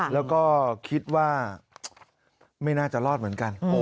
แล้วก็คิดว่าไม่น่าจะรอดเหมือนกัน